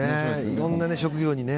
いろんな職業にね。